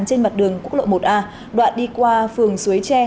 trên mặt đường quốc lộ một a đoạn đi qua phường suối tre